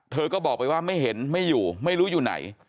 เธอก็บอกไปว่าไม่เห็นไม่อยู่ไม่รู้อยู่ไหน